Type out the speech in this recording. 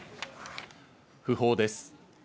訃報です。